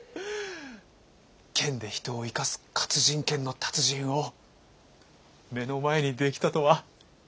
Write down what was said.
剣で人を活かす活人剣の達人を目の前にできたとは！